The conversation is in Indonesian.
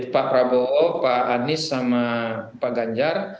pak prabowo pak anies sama pak ganjar